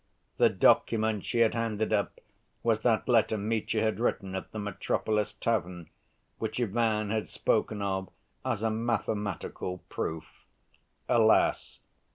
The document she had handed up was that letter Mitya had written at the "Metropolis" tavern, which Ivan had spoken of as a "mathematical proof." Alas!